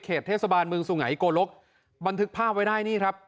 เทศบาลเมืองสุไงโกลกบันทึกภาพไว้ได้นี่ครับ